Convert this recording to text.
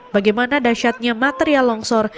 bagaimana dasyatnya material longsor